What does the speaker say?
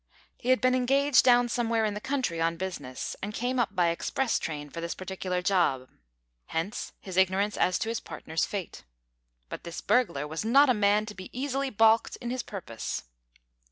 He had been engaged down somewhere in the country on business, and came up by express train for this particular job; hence his ignorance as to his partner's fate. But this burglar was not a man to be easily balked in his purpose.